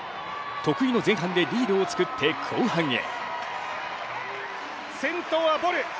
得意の前半でリードを作って後半へ。